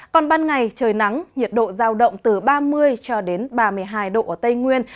còn ban ngày trời nắng nhiệt độ giao động từ ba mươi cho đến ba mươi hai độ ở tây nguyên